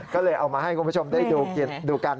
ก็เลยเอามาให้คุณผู้ชมได้ดูกัน